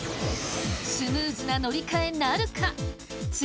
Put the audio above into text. スムーズな乗り換えなるか？